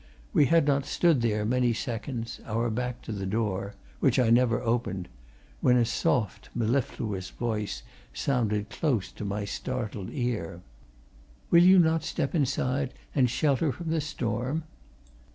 We had not stood there many seconds, our back to the door (which I never heard opened), when a soft mellifluous voice sounded close to my startled ear. "Will you not step inside and shelter from the storm?"